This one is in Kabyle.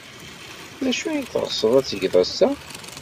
D acu ay teɣsed ad tged ass-a?